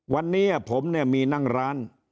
วันนี้ผมมีนั่งร้าน